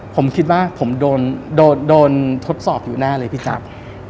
ผมคิดว่าผมโดนทดสอบอยู่แน่เลยพี่แจ๊ค